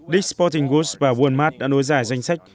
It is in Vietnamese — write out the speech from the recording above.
dick s sporting goods và walmart đã nối dài danh sách